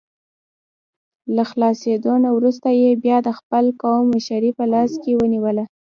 له خلاصېدو نه وروسته یې بیا د خپل قوم مشري په لاس کې ونیوله.